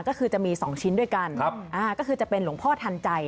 ก็คือจะมี๒ชิ้นด้วยกันก็คือจะเป็นหลวงพ่อทันใจ